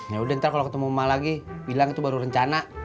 yaudah ntar kalo ketemu emak lagi bilang itu baru rencana